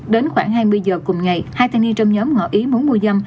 đến khoảng hai mươi giờ cùng ngày hai thanh niên trong nhóm ngỏ ý muốn mua dâm